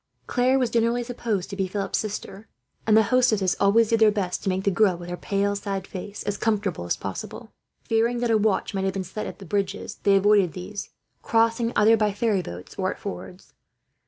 Claire was generally supposed to be Philip's sister; and the hostesses always did their best to make the girl, with her pale sad face, as comfortable as possible. Fearing that a watch might have been set at the bridges, they avoided these, crossing either by ferry boats or at fords.